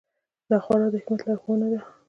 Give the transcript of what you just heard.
دا خورا د حکمت لارښوونه ده.